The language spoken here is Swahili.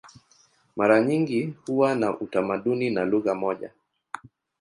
Mara nyingi huwa na utamaduni na lugha moja.